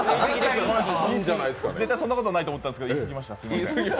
絶対そんなことないと思ったんですけど、言い過ぎました、すいません。